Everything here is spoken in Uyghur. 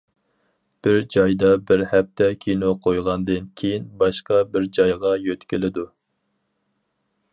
بىر جايدا بىر ھەپتە كىنو قويغاندىن كېيىن، باشقا بىر جايغا يۆتكىلىدۇ.